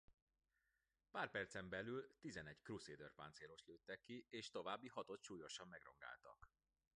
Pár percen belül tizenegy Crusader páncélost lőttek ki és további hatot súlyosan megrongáltak.